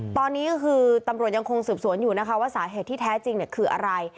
ตอนนี้ก็คือตำรวจยังคงสืบสวนอยู่นะคะว่าสาเหตุที่แท้จริงคืออะไร